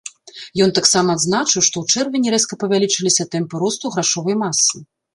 Ён таксама адзначыў, што ў чэрвені рэзка павялічыліся тэмпы росту грашовай масы.